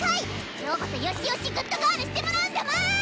今日こそよしよしグッドガールしてもらうんだもん！